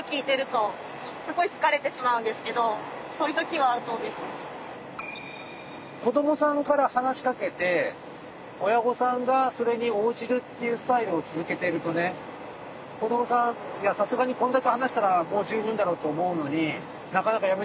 今のように子どもさんから話しかけて親御さんがそれに応じるっていうスタイルを続けているとね子どもさんいやさすがにこんだけ話したらもう十分だろうと思うのに